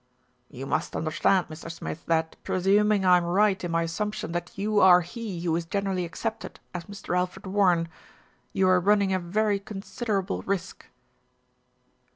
"You must understand, Mr. Smith, that, presuming I am right in my assumption that you are lie who is generally accepted as Mr. Alfred Warren, you are running a very considerable risk."